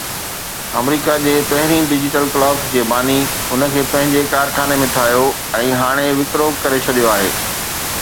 آمريڪا جي پهرين ڊجيٽل ڪلاڪ جي باني ان کي پنهنجي ڪارخاني ۾ ٺاهيو ۽ هاڻي وڪرو ڪري ڇڏيو آهي